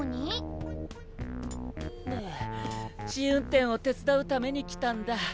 ああ試運転を手伝うために来たんだ。